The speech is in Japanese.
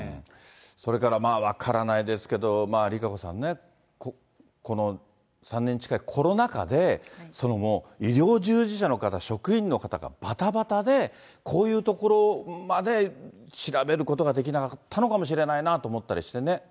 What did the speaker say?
それから、分からないですけど、ＲＩＫＡＣＯさんね、この３年近いコロナ禍で、医療従事者の方、職員の方がばたばたで、こういうところまで、調べることができなかったのかもしれないなと思ったりしてね。